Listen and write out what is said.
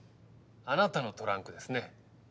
あなたのトランクですね。